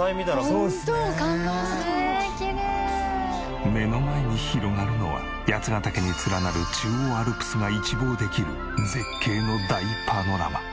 「そうですね」「感動する」「きれい」目の前に広がるのは八ヶ岳に連なる中央アルプスが一望できる絶景の大パノラマ。